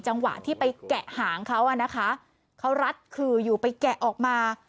จังหวะที่ไปแกะหางเขาอ่ะนะคะเขารัดขื่ออยู่ไปแกะออกมา